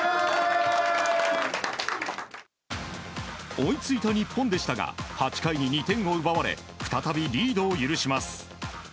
追いついた日本でしたが８回に２点を奪われ再びリードを許します。